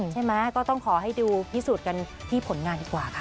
ใช่ไหมก็ต้องขอให้ดูพิสูจน์กันที่ผลงานดีกว่าค่ะ